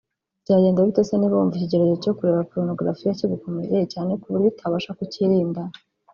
Byagenda bite se niba wumva ikigeragezo cyo kureba porunogarafiya kigukomereye cyane ku buryo utabasha kucyirinda